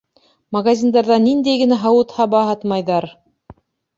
Магазиндарҙа ниндәй генә һауыт-һаба һатмайҙар!